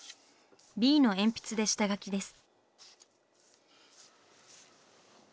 Ｂの鉛筆で下描きです。